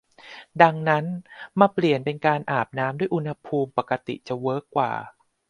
ดังนั้นมาเปลี่ยนเป็นอาบน้ำด้วยอุณหภูมิปกติจะเวิร์กกว่า